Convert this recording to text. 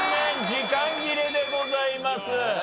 時間切れでございます。